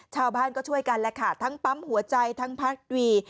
ชาวบ้านก็ช่วยกันแหละค่ะทั้งปั๊มหัวใจทั้งพักดี